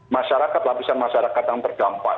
masyarakat lapisan masyarakat yang terdampak